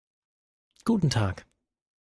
Guten Tag.